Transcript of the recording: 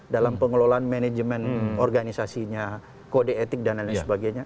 dalam pengelolaan manajemen organisasinya kode etik dan lain lain sebagainya